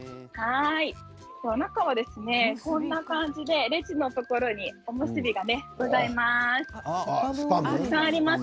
中は、こんな感じでレジのところにおむすびがございます。